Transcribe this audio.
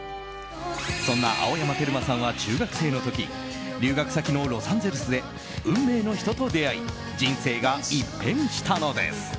そんな青山テルマさんは中学生の時留学先のロサンゼルスで運命の人と出会い人生が一変したのです。